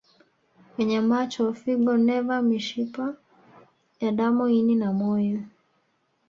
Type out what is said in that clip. kwenye macho figo neva mishipa ya damu ini na moyo